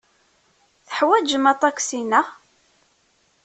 Teḥwajem aṭaksi, naɣ?